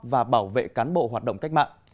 và bảo vệ cán bộ hoạt động cách mạng